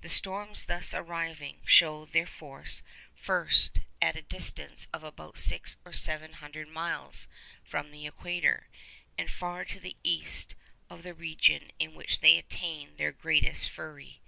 The storms thus arising show their force first at a distance of about six or seven hundred miles from the equator, and far to the east of the region in which they attain their greatest fury.